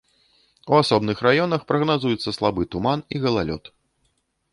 У асобных раёнах прагназуецца слабы туман і галалёд.